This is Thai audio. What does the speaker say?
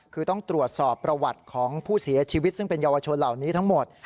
คือต้องตรวจสอบประวัติของผู้เสียชีวิตซึ่งเป็นเยาวชนเหล่านี้ทั้งหมด